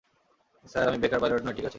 Sir, আমি বেকার pilot নই ঠিক আছে!